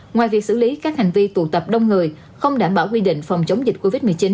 ngoài việc xử lý các hành vi tụ tập đông người không đảm bảo quy định phòng chống dịch covid một mươi chín